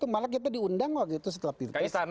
malah kita diundang waktu itu setelah pilpres